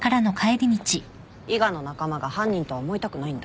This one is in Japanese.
伊賀の仲間が犯人とは思いたくないんだ？